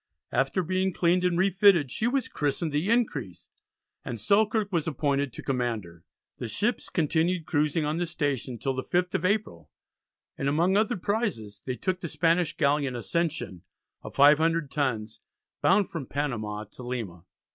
After being cleaned and refitted she was christened the Increase and Selkirk was appointed to command her. The ships continued cruising on this station till the 5th of April, and among other prizes they took the Spanish galleon Ascension of 500 tons, bound from Panama to Lima.